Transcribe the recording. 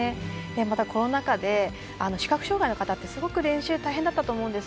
また、コロナ禍で視覚障がいの方って、すごく練習大変だったと思うんです。